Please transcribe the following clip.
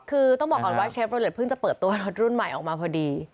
คือต้องบอกก่อนว่าเชฟโรเล็ตเพิ่งจะเปิดตัวรถรุ่นใหม่ออกมาพอดี